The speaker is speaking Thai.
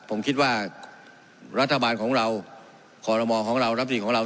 ผมคิดว่ารัฐบาลของเราคอรมอของเรารับดีของเรา